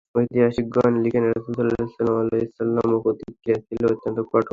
ঐতিহাসিকগণ লিখেন, রাসূল সাল্লাল্লাহু আলাইহি ওয়াসাল্লাম-এর প্রতিক্রিয়া ছিল অত্যন্ত কঠোর।